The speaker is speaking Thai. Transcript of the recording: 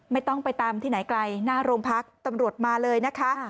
ไม่ต้องไปตามที่ไหนไกลหน้าโรงพักตำรวจมาเลยนะคะ